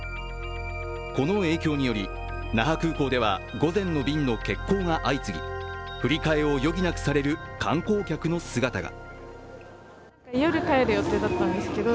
この影響により、那覇空港では午前の便の欠航が相次ぎ振り替えを余儀なくされる観光客の姿が。